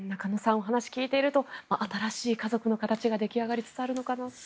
お話を聞いていると新しい家族の形が出来上がりつつあるのかなと。